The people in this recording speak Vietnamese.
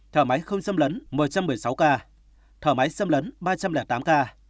thở máy không xâm lấn một trăm một mươi sáu ca thở máy xâm lấn ba trăm linh tám ca